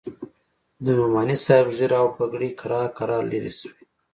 د نعماني صاحب ږيره او پګړۍ کرار کرار لرې سوې.